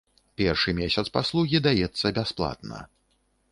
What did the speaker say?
Першы месяц паслугі даецца бясплатна.